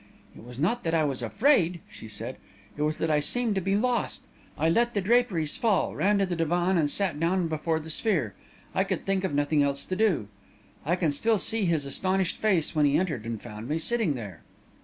"It was not that I was afraid," she said; "it was that I seemed to be lost. I let the draperies fall, ran to the divan and sat down before the sphere. I could think of nothing else to do. I can still see his astonished face when he entered and found me sitting there.